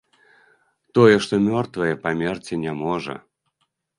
Тое, што мёртвае, памерці не можа.